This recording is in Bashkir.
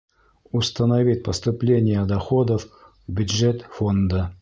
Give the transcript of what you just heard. Установить поступления доходов в бюджет Фонда: